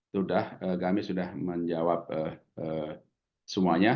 sudah kami sudah menjawab semuanya